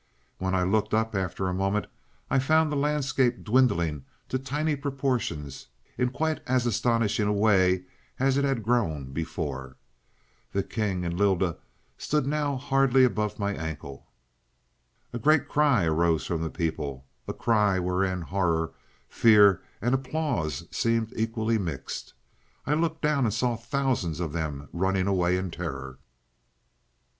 When I looked up after a moment, I found the landscape dwindling to tiny proportions in quite as astonishing a way as it had grown before. The king and Lylda stood now hardly above my ankle. "A great cry arose from the people a cry wherein horror, fear, and applause seemed equally mixed. I looked down and saw thousands of them running away in terror.